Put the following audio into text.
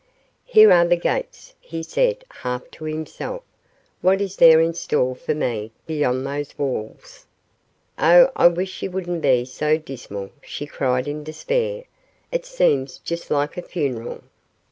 "Here are the gates," he said, half to himself. "What is there in store for me beyond those walls?" "Oh, I wish you wouldn't be so dismal," she cried in despair. "It seems just like a funeral."